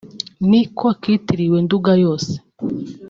ni ko kitiriwe Nduga yose